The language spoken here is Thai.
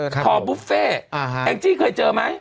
คอบุฟเฟ่แองจี้เคยเจอไหม